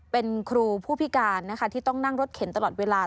เป็นครูผู้พิการนะคะที่ต้องนั่งรถเข็นตลอดเวลา